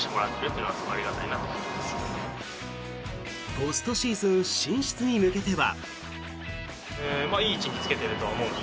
ポストシーズン進出に向けては。